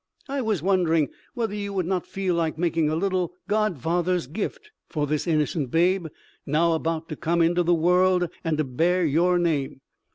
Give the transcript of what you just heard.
I was wondering whether you would not feel like making a little godfathers gift for this innocent babe now about to come into the world and to bare your name.